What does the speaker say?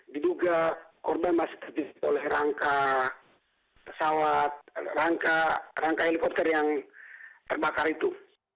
diduga korban masih terdiri oleh rangka helikopter yang terbakar itu